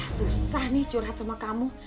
susah nih curhat sama kamu